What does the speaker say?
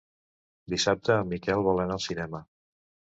Dissabte en Miquel vol anar al cinema.